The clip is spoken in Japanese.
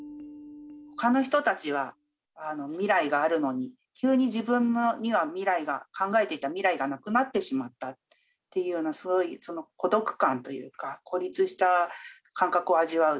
ほかの人たちは未来があるのに、急に自分には未来が、考えていた未来がなくなってしまったっていうような、その孤独感というか、孤立した感覚を味わう。